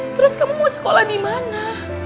terus kamu mau sekolah di mana